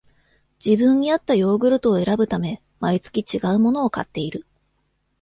自分にあったヨーグルトを選ぶため、毎月ちがうものを買っている